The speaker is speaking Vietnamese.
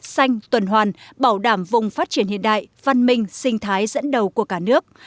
xanh tuần hoàn bảo đảm vùng phát triển hiện đại văn minh sinh thái dẫn đầu của cả nước